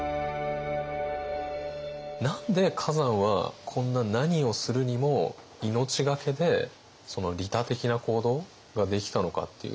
何で崋山はこんな何をするにも命懸けで利他的な行動ができたのかっていう。